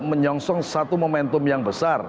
menyongsong satu momentum yang besar